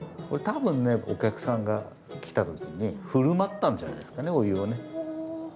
これ多分ねお客さんが来た時に振る舞ったんじゃないですかねお湯をね。